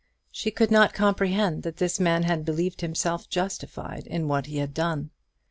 She could not comprehend that this man had believed himself justified in what he had done.